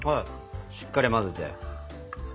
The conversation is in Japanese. しっかり混ぜて。